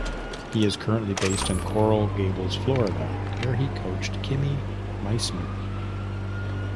He is currently based in Coral Gables, Florida where he coached Kimmie Meissner.